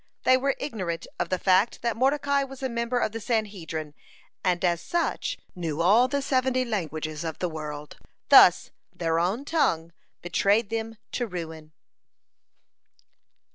They were ignorant of the fact, that Mordecai was a member of the Sanhedrin, and as such knew all the seventy languages of the world. Thus their own tongue betrayed them to ruin.